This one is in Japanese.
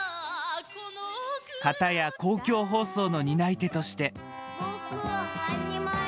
かたや公共放送の担い手として。